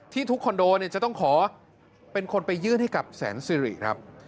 ที่ทุกคอนโดจะต้องขอเป็นคนไปยื่นให้กับแสนซีรีส์